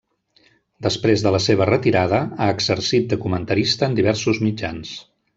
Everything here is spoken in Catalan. Després de la seva retirada, ha exercit de comentarista en diversos mitjans.